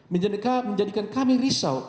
menjadikan kami risau